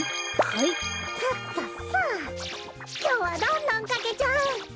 きょうはどんどんかけちゃう。